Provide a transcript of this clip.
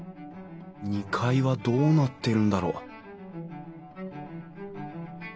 ２階はどうなっているんだろう？